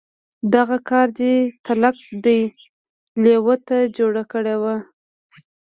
دغه کار دی تلک دې لېوه ته جوړ کړی و.